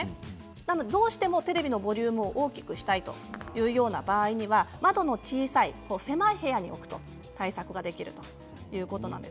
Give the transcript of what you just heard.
なので、どうしてもテレビのボリュームを大きくしたいという場合には窓の小さい狭い部屋に置くと対策ができるということなんです。